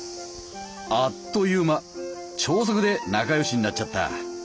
あっという間超速で仲よしになっちゃった。